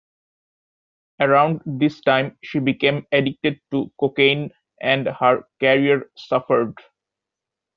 Around this time she became addicted to cocaine and her career suffered.